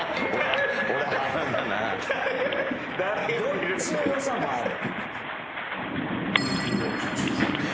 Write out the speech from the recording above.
どっちの良さもある。